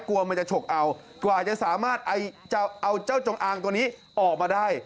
กลัวมันจะฉกเอากว่าจะสามารถจะเอาเจ้าจงอางตัวนี้ออกมาได้